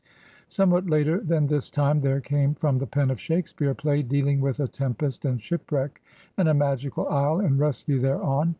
Somewhat later than this time there came from the pen of Shakespeare a play dealing with a tem pest and shipwreck and a magical isle and rescue thereon.